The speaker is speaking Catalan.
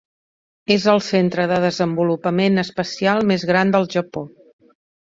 És el centre de desenvolupament espacial més gran del Japó.